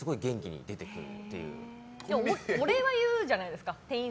ってでもお礼は言うじゃないですか。